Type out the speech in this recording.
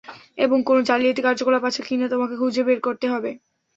এবং কোন জালিয়াতি কার্যকলাপ আছে কী না তোমাকে খুঁজে বের করতে হবে।